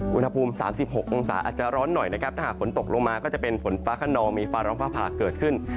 อุณหภูมิ๓๖องศาอาจจะร้อนหน่อยนะครับถ้าหากฝนตกลงมาก็จะเป็นฝนฟ้าขนองมีฟ้าร้องฟ้าผ่าเกิดขึ้น